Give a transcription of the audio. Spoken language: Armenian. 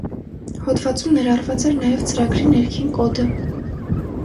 Հոդվածում ներառված էր նաև ծրագրի ներքին կոդը։